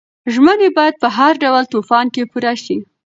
ژمنې باید په هر ډول طوفان کې پوره شي.